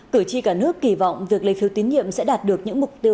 cử tri cả nước kỳ vọng việc lấy phiếu tín nhiệm sẽ đạt được những mục tiêu